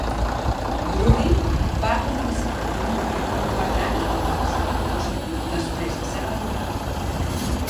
Drury va començar una carrera de quatre anys a la Universitat de Boston després de ser reclutat.